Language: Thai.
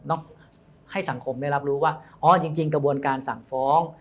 ให้สังคมได้รับรู้ว่าอ๋อจริงกระบวนการสั่งฟ้อง